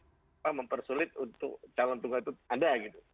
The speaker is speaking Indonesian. termasuk mempersulit untuk calon tunggal itu ada